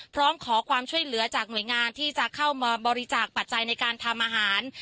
พร้อมขอความช่วยเหลือจากหน่วยงานที่จะเข้ามาบริจาคปัจจัยในการทำอาหาร